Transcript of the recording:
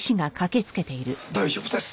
大丈夫です。